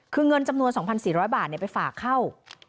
คือเงินจำนวน๒๔๐๐บาทไปฝากเข้า